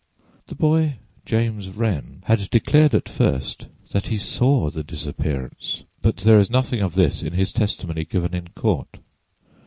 The boy James Wren had declared at first that he saw the disappearance, but there is nothing of this in his testimony given in court.